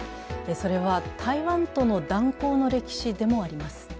それは台湾との断交の歴史でもあります。